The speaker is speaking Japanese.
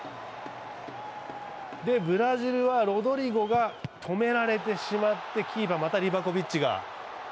ブラジルはロドリゴが止められてしまってキーパー、またリバコビッチが。